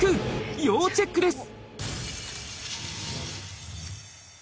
要チェックです